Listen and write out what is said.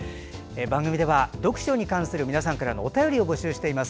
番組では読書に関する皆さんからのお便りを募集しています。